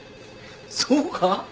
そうか？